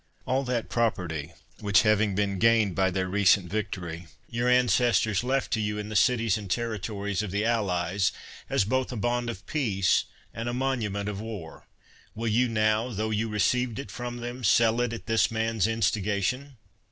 All that property, which, having been gained by their recent vic tory, your ancestors left to you in the cities and territories of the allies, as both a bond of peace and a monument of war, will you now, tho you received it from them, sell it at this man's insti gation?